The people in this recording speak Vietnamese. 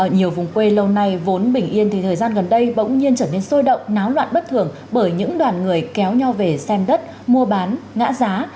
nhiều vùng quê lâu nay vốn bình yên thì thời gian gần đây bỗng nhiên trở nên sôi động náo loạn bất thường bởi những đoàn người kéo nhau về xem đất mua bán ngã giá